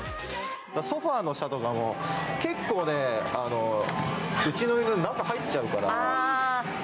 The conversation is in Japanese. ソファーの下とかも結構、うちの犬、中入っちゃうから。